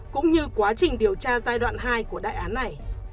cũng như quá trình điều tra giai đoạn hai của đại án này